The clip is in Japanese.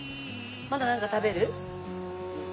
まだなんか食べる？